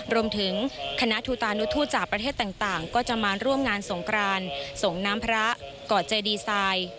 รวมถึงคณะทูตานุทูตจากประเทศต่างก็จะมาร่วมงานสงครานส่งน้ำพระก่อเจดีไซน์